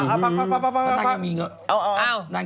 กินไม่แปดกลางวัน